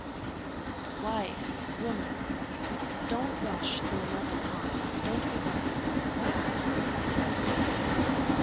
Wife/Woman, don’t rush till another time, don’t be worry, why are so frightened?